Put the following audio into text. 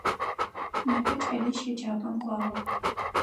Непэ кӏэлищ еджапӏэм кӏуагъэп.